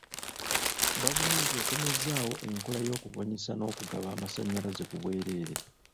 Gavumenti ekomezaawo enkola y'okubunyisa n'okugaba masannyalaze ku bwereere.